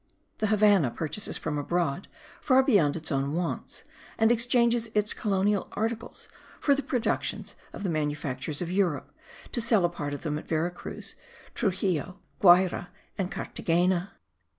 The Havannah purchases from abroad far beyond its own wants, and exchanges its colonial articles for the productions of the manufactures of Europe, to sell a part of them at Vera Cruz, Truxillo, Guayra, and Carthagena.